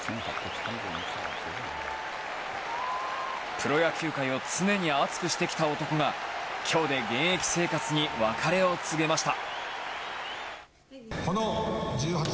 プロ野球界を常に熱くしてきた男が今日で現役生活に別れを告げました。